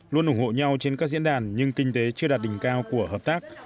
luôn ủng hộ nhau trên các diễn đàn nhưng kinh tế chưa đạt đỉnh cao của hợp tác